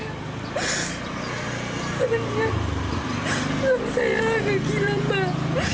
sebenarnya suaminya agak gila pak